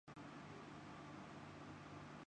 مقتول کو ذاتی دشمنی پر عامر نامی شخص نے قتل کردیا